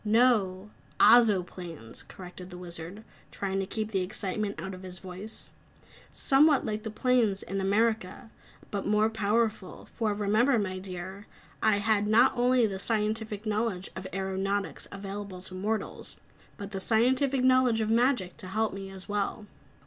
"No, Ozoplanes," corrected the Wizard, trying to keep the excitement out of his voice. "Somewhat like the planes in America, but more powerful, for remember, my dear, I had not only the scientific knowledge of aeronautics available to mortals, but the scientific knowledge of magic to help me as well!"